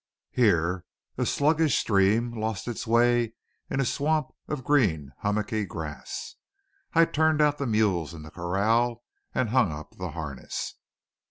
Here a sluggish stream lost its way in a swamp of green hummocky grass. I turned out the mules in the corral and hung up the harness.